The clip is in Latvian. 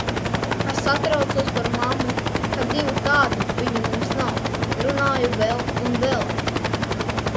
Ka satraucos par mammu, ka divu tādu viņu mums nav. Runāju vēl un vēl.